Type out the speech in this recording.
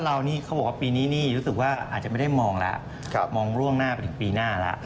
เรานี่เขาบอกว่าปีนี้นี่รู้สึกว่าอาจจะไม่ได้มองแล้วมองล่วงหน้าไปถึงปีหน้าแล้ว